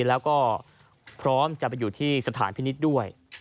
แล้วก็พร้อมจะไปอยู่ที่สถานพินิษฐ์ด้วย